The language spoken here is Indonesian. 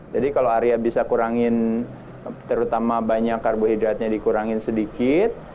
kalau arya bisa kurangin terutama banyak karbohidratnya dikurangin sedikit